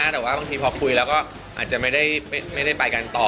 แต่ว่าบางทีพอคุยแล้วก็อาจจะไม่ได้ไปกันต่อ